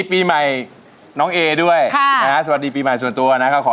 พี่ไม่ได้เตรียมตัวเลยอะเพ๊ก